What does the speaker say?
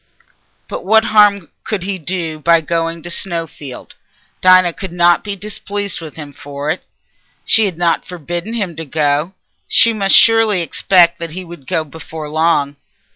But what harm could he do by going to Snowfield? Dinah could not be displeased with him for it. She had not forbidden him to go. She must surely expect that he would go before long.